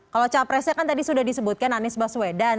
kalau capresnya kan tadi sudah disebutkan anies baswedan